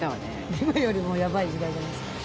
今よりもヤバい時代じゃないすか。